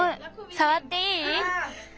さわっていい？